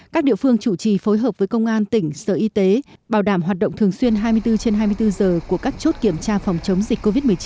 các địa phương chủ trì phối hợp với công an tỉnh sở y tế bảo đảm hoạt động thường xuyên hai mươi bốn trên hai mươi bốn giờ của các chốt kiểm tra phòng chống dịch covid một mươi chín